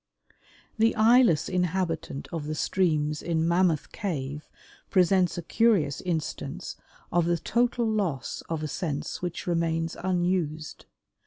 The eyeless inhabitant of the streams in Mammoth Cave presents a curious instance of the total loss of a sense which remains unused.